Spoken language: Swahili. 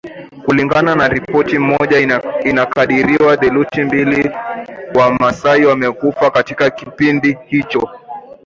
Kulingana na ripoti moja inakadiriwa theluthi mbili ya Wamaasai walikufa katika kipindi hicho